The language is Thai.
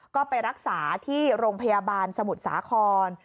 ก็ไปรักษาที่โรงพยาบาลสมุทรสาคร